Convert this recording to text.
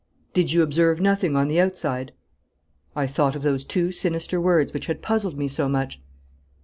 'Did you observe nothing on the outside?' I thought of those two sinister words which had puzzled me so much.